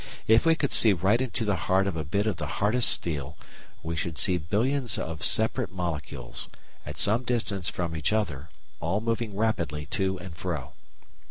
If we could see right into the heart of a bit of the hardest steel, we should see billions of separate molecules, at some distance from each other, all moving rapidly to and fro.